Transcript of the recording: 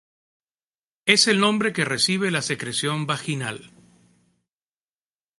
Es el nombre que recibe la secreción vaginal.